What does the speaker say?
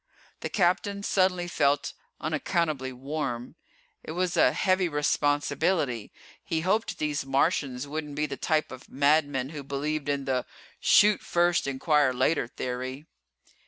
The Captain suddenly felt unaccountably warm. It was a heavy responsibility he hoped these Martians wouldn't be the type of madmen who believed in the "shoot first, inquire later" theory.